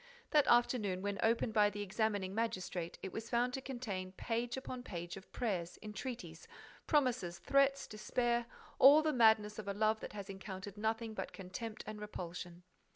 That afternoon, when opened by the examining magistrate, it was found to contain page upon page of prayers, entreaties, promises, threats, despair, all the madness of a love that has encountered nothing but contempt and repulsion.